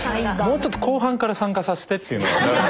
もうちょっと後半から参加さしてっていうのは。